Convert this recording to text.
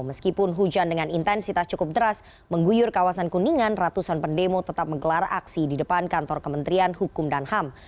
meskipun hujan dengan intensitas cukup deras mengguyur kawasan kuningan ratusan pendemo tetap menggelar aksi di depan kantor kementerian hukum dan ham